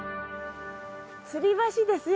つり橋ですよ